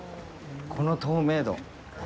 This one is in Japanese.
この透明度。